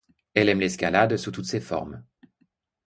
Elle aime l'escalade sous toutes ses formes.